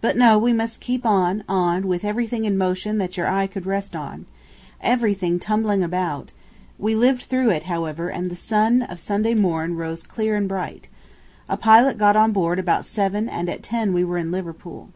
But no, we must keep on, on, with everything in motion that your eye could rest on. Everything tumbling about ... We lived through it, however, and the sun of Sunday morn rose clear and bright. A pilot got on board about seven and at ten we were in Liverpool.